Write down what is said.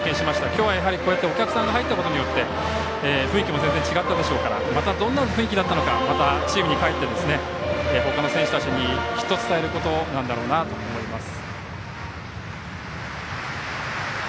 今日はこうしてお客さんが入ったことによって雰囲気も全然違ったでしょうからどんな雰囲気だったのかまたチームに帰ってほかの選手たちにきっと伝えることなんだろうなと思います。